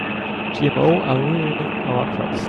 GMO are ruining our crops.